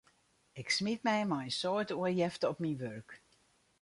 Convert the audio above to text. Ik smiet my mei in soad oerjefte op myn wurk.